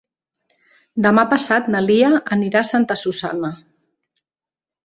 Demà passat na Lia anirà a Santa Susanna.